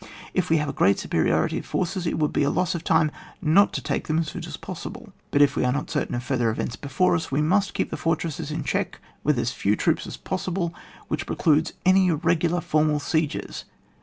If we have a great superiority of force, it would be a loss of time not to take them as soon as possible ; but if we are not certain of the further events before us, we must keep the fortresses in check with as few troops as possible, which precludes any regular formal sieges.